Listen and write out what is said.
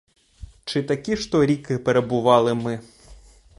Чи такі ж то ріки перебували ми?